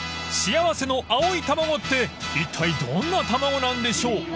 幸せの青い卵っていったいどんな卵なんでしょう］